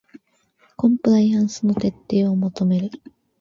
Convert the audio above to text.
コンプライアンスの徹底を求める